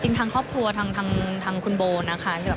ทางครอบครัวทางคุณโบนะคะ